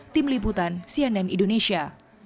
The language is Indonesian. tim liputan cnn indonesia